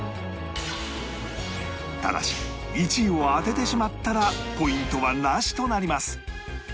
ただし１位を当ててしまったらポイントはなしとなります